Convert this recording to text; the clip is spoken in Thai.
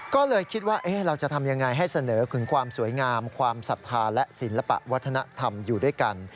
ก็เลยคิดว่าเราจะทำยังไงให้เสนอถึงความสวยงามความศรัทธาและศิลปะวัฒนธรรมอยู่ด้วยกัน